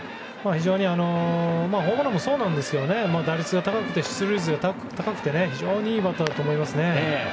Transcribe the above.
ホームランもそうなんですけど打率が高くて出塁率が高くて非常にいいバッターだと思います。